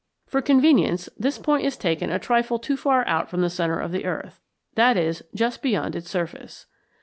For convenience this point is taken a trifle too far out from the centre of the earth that is, just beyond its surface.